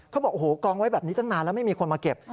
เขาบอกโอ้โหกองไว้แบบนี้ตั้งนานแล้วไม่มีคนมาเก็บ